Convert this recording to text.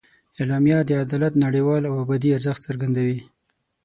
اعلامیه د عدالت نړیوال او ابدي ارزښت څرګندوي.